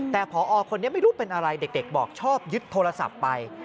แต่พอคนนี้ไม่รู้เป็นอะไรเด็กบอกชอบยึดโทรศัพท์ไป